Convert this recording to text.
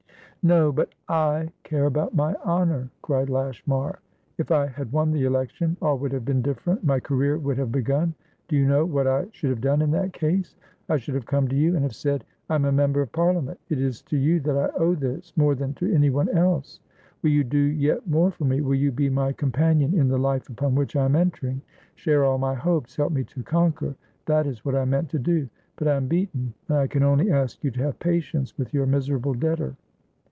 "No, but I care about my honour!" cried Lashmar. "If I had won the election, all would have been different; my career would have begun. Do you know what I should have done in that case? I should have come to you, and have said: 'I am a Member of Parliament. It is to you that I owe this, more than to anyone else. Will you do yet more for me? Will you be my companion in the life upon which I am enteringshare all my hopeshelp me to conquer?'That is what I meant to do. But I am beaten, and I can only ask you to have patience with your miserable debtor."